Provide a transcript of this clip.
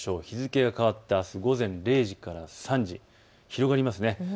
日付が変わってあす午前０時から３時、広がります。